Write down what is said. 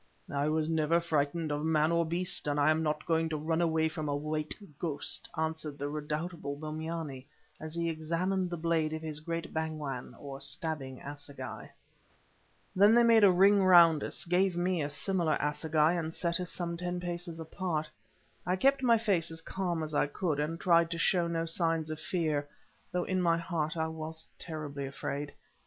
"I never was frightened of man or beast, and I am not going to run away from a White Ghost," answered the redoubtable Bombyane, as he examined the blade of his great bangwan or stabbing assegai. Then they made a ring round us, gave me a similar assegai, and set us some ten paces apart. I kept my face as calm as I could, and tried to show no signs of fear, though in my heart I was terribly afraid.